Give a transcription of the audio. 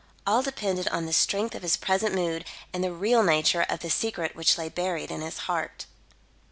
All depended on the strength of his present mood and the real nature of the secret which lay buried in his heart.